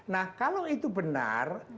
nah kalau itu benar